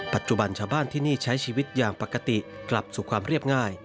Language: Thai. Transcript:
ปัจจุบันชาวบ้านที่นี่ใช้ชีวิตอย่างปกติกลับสู่ความเรียบง่าย